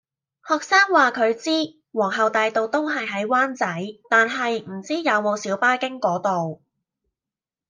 學生話佢知皇后大道東係喺灣仔，但係唔知有冇小巴經嗰度